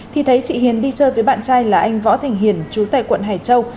thì thấy chị hiền đi chơi với bạn trai là anh võ thành hiền chú tại quận hải châu